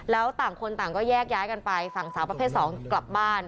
แล้วต่างคนต่างก็แยกย้ายกันไปฝั่งสาวประเภท๒กลับบ้าน